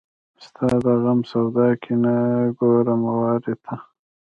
ستا د غم سودا کې نه ګورم وارې ته